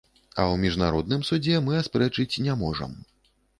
А ў міжнародным судзе мы аспрэчыць не можам.